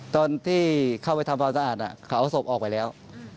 ตอนที่เข้าไปทำความสะอาดเขาเอาศพออกไปแล้ว